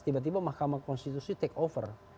tiba tiba mahkamah konstitusi take over